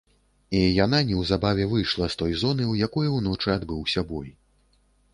І яна неўзабаве выйшла з той зоны, у якой уночы адбыўся бой.